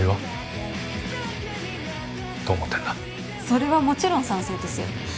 それはもちろん賛成ですよ。